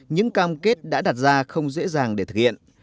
những cam kết đã đặt ra không dễ dàng để thực hiện